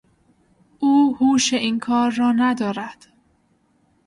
او هوش این کار را ندارد.